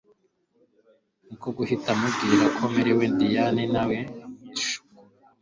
niko guhita amubwira ko amerewe Diane nawe amwishurako